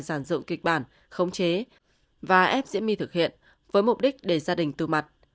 giàn dựng kịch bản khống chế và ép diễm my thực hiện với mục đích để gia đình từ mặt